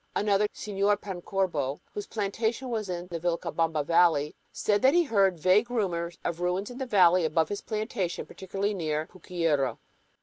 Another, Señor Pancorbo, whose plantation was in the Vilcabamba Valley, said that he had heard vague rumors of ruins in the valley above his plantation, particularly near Pucyura.